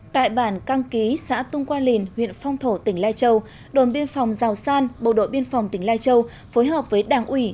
tại bản căng ký xã tung qua lìn huyện phong thổ tỉnh lai châu đồn biên phòng giào san bộ đội biên phòng tỉnh lai châu phối hợp với đảng ủy